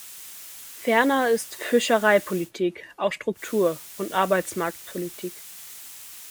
Ferner ist Fischereipolitik auch Struktur- und Arbeitsmarktpolitik.